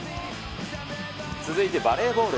続いてバレーボール。